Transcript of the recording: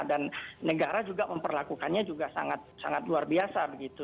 dan negara juga memperlakukannya juga sangat luar biasa begitu